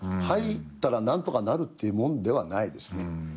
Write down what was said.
入ったら何とかなるっていうもんではないですね。